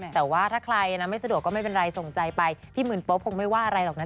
แต่ว่าถ้าใครนะไม่สะดวกก็ไม่เป็นไรส่งใจไปพี่หมื่นโป๊คงไม่ว่าอะไรหรอกนะ